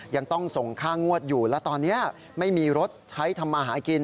ยังต้องส่งค่างวดอยู่และตอนนี้ไม่มีรถใช้ทำมาหากิน